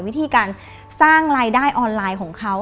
วิธีการสร้างรายได้ออนไลน์ของเขา